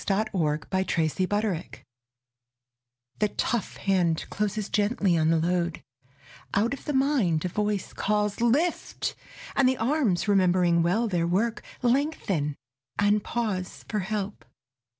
62 MAN CARRYING BALE r I ^HE tough hand closes gently on the load ; X Out of the mind, a voice Calls " Lift !" and the arms, remembering well their work, Lengthen and pause for help.